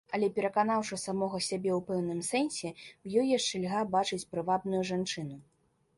Але пераканаўшы самога сябе ў пэўным сэнсе, у ёй яшчэ льга бачыць прывабную жанчыну.